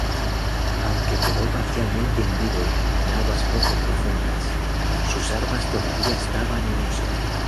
Aunque quedó parcialmente hundido en aguas poco profundas, sus armas todavía estaban en uso.